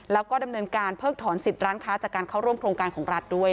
แล้วก็ดำเนินการเพิกถอนสิทธิ์ร้านค้าจากการเข้าร่วมโครงการของรัฐด้วย